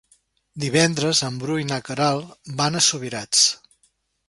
Divendres en Bru i na Queralt van a Subirats.